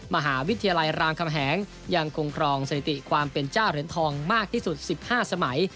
มหาวิทยาลัยรามคำแหงยังคงครองสถิติความเป็นเจ้าเหรียญทองมากที่สุด๑๕สมัย